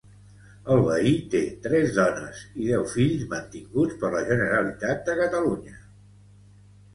El veí té tres dones i deu fills mantinguts per la Generalitat de Catalunya